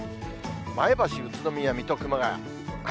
前橋、宇都宮、水戸、熊谷。